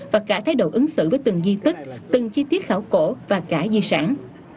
và cả thái độ ứng xử với từng di tích từng chi tiết khảo cổ và cả di sản